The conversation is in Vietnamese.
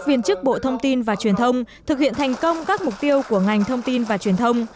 viên chức bộ thông tin và truyền thông thực hiện thành công các mục tiêu của ngành thông tin và truyền thông